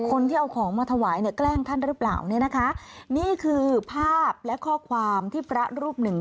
คนที่เอาของมาถวายกล้างท่านรึเปล่านี่คือภาพและข้อความที่พระรูปหนึ่ง